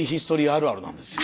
あるあるなんですよ。